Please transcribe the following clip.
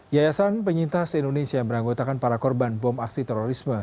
yayasan penyintas indonesia yang beranggotakan para korban bom aksi terorisme